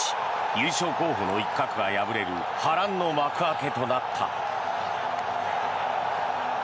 優勝候補の一角が敗れる波乱の幕開けとなった。